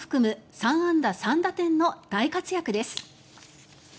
３安打３打点の大活躍です。